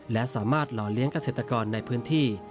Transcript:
และสามารถหล่อเลี้ยงเกษตรกรในพื้นที่